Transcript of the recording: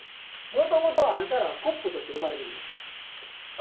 もともとあんたらはコップとして生まれてきた。